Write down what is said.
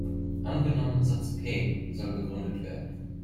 Angenommen, Satz "p" soll begründet werden.